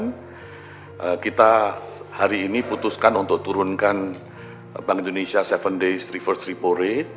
dan kita hari ini putuskan untuk turunkan bank indonesia tujuh day reverse report